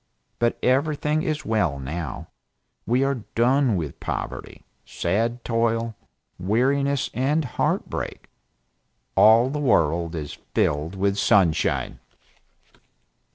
But everything is well, now we are done with poverty, sad toil, weariness and heart break; all the world is filled with sunshine."